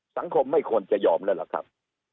สังคมไม่ควรจะยอมแล้วล่ะครับ